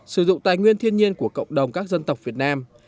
sử dụng tài nguyên thiên nhiên của cộng đồng các dân tộc việt nam